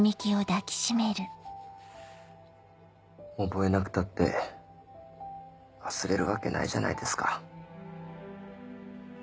覚えなくたって忘れるわけないじゃないですか。